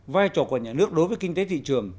vai trò của nhà nước đối với kinh tế thị trường